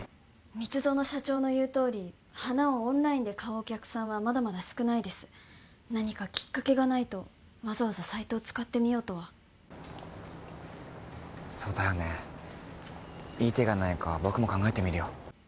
蜜園社長の言うとおり花をオンラインで買うお客さんはまだまだ少ないです何かきっかけがないとわざわざサイトを使ってみようとはそうだよねいい手がないか僕も考えてみるよ